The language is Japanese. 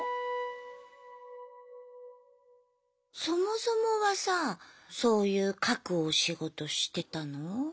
そもそもはさそういう書くお仕事してたの？